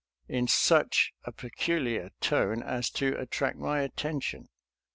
" in such a peculiar tone as to at tract my attention.